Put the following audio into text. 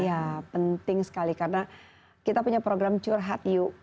ya penting sekali karena kita punya program curhat yuk